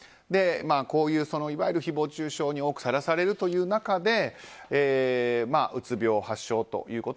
こういう、いわゆる誹謗中傷にさらされるという中でうつ病発症と。